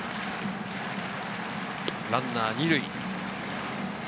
ランナー２塁。